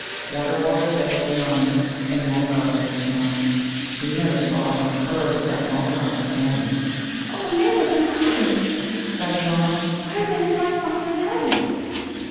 Water bottle there was none, and Mulgar there was none. We never saw or heard of that Mulgar again." "O Man of the Mountains," cried Nod, "where, then, is my father now?"